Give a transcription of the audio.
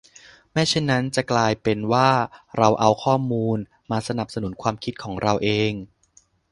ไม่เช่นนั้นจะกลายเป็นว่าเราเอาข้อมูลมาสนับสนุนความคิดของเราเอง